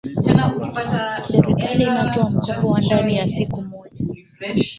serikali inatoa mkopo wa ndani ya siku moja